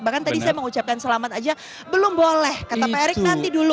bahkan tadi saya mengucapkan selamat aja belum boleh kata pak erick nanti dulu